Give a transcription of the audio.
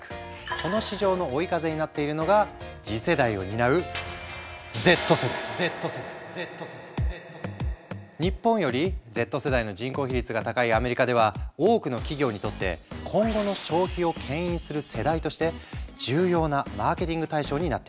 この市場の追い風になっているのが次世代を担う日本よりＺ世代の人口比率が高いアメリカでは多くの企業にとって今後の消費をけん引する世代として重要なマーケティング対象になっている。